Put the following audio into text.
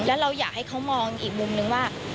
แล้วเราอยากให้เขามองอีกมุมนึงว่า